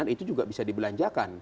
dan itu juga bisa dibelanjakan